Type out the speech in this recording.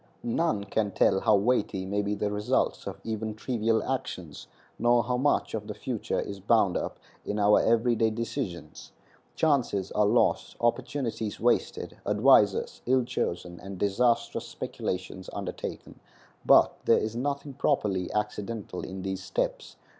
None can tell how weighty may be the results of even trivial actions, nor how much of the future is bound up in our every day decisions. Chances are lost, opportunities wasted, advisers ill chosen, and disastrous speculations undertaken, but there is nothing properly accidental in these steps.